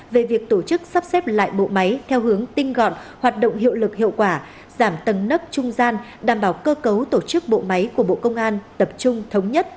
về việc tổ chức sắp xếp lại bộ máy theo hướng tinh gọn hoạt động hiệu lực hiệu quả giảm tầng nấp trung gian